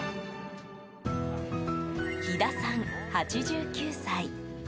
日田さん、８９歳。